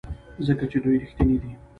ځکه چې دوی ریښتیني دي.